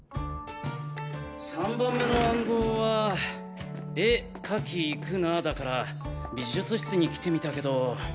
３番目の暗号は「絵描き行くな」だから美術室に来てみたけど。